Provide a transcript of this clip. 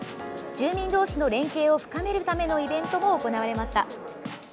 住民同士の連携を深めるためのイベントも行われました。